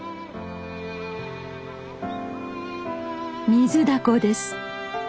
ミズダコです。